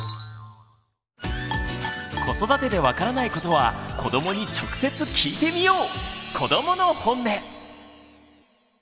子育てで分からないことは子どもに直接聞いてみよう！